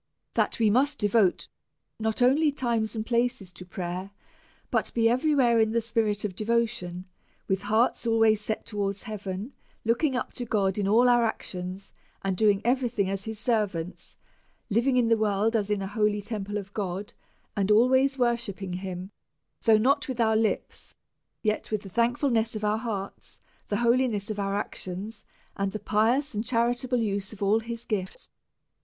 That we must devote not only time and places to prayer, but be every where in the spirit of devotion, with hearts always set towards heaven, looking up to God in all our actions, and doing every thing* as his servants ; living in the world as in an holy temple of God, and always worshipping him, though not with our lips, yet with the thankfulness of our hearts, the holiness of our actions, and the pious and charitable use of all his gifts.